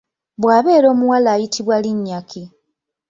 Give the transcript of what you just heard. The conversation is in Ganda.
bwabeera omuwala ayitibwa linnya ki?